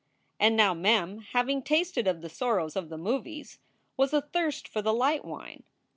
And now Mem, having tasted of the sorrows of the movies, was athirst for the light wine.